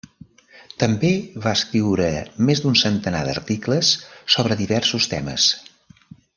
També va escriure més d'un centenar d'articles sobre diversos temes.